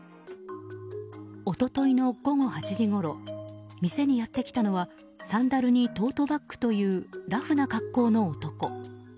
一昨日の午後８時ごろ店にやってきたのはサンダルにトートバッグというラフな格好の男。